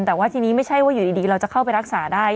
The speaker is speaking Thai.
แต่ว่าทีนี้ไม่ใช่ว่าอยู่ดีเราจะเข้าไปรักษาได้